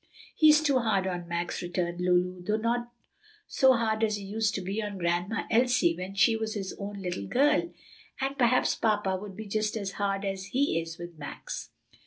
"He's too hard on Max," returned Lulu, "though not so hard as he used to be on Grandma Elsie when she was his own little girl; and perhaps papa would be just as hard as he is with Max."